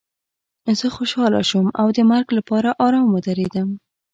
زه خوشحاله شوم او د مرګ لپاره ارام ودرېدم